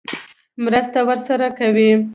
مرسته ورسره کوي.